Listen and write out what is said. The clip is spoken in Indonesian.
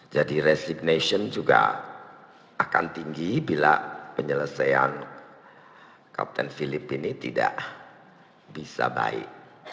jadi resignation juga akan tinggi bila penyelesaian kapten philip ini tidak bisa baik